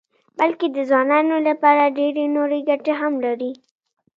بلکې د ځوانانو لپاره ډېرې نورې ګټې هم لري.